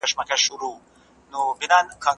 صفويانو پر کندهار د برید لپاره کوم پوځ ولېږه؟